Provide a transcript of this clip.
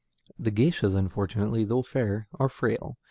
The géishas unfortunately, though fair, are frail.